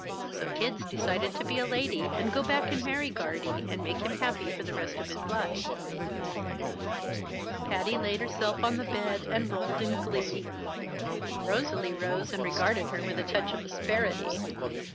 So Kid's decided to be a lady, and go back and marry Guardie, and make him happy for the rest of his life." Patty laid herself on the bed and rolled in glee. Rosalie rose and regarded her with a touch of asperity.